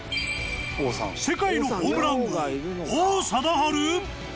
世界のホームラン王王貞治？